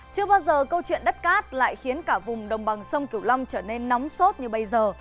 chưa bao giờ câu chuyện đất cát lại khiến cả vùng đồng bằng sông cửu long trở nên nóng sốt như bây giờ